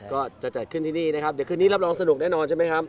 ก็จะจัดขึ้นที่นี่นะครับเดี๋ยวคืนนี้รับรองสนุกแน่นอนใช่ไหมครับ